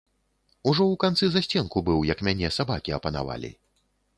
Ужо ў канцы засценку быў, як мяне сабакі апанавалі.